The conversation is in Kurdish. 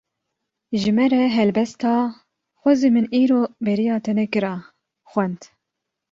Ji me re helbesta "Xwezî min îro bêriya te nekira" xwend